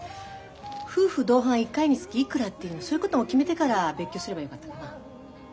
夫婦同伴１回につきいくらっていうのそういうことも決めてから別居すればよかったかな？